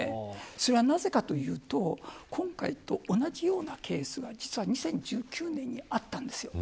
それはなぜかというと今回と同じようなケースが実は２０１９年にあったんです。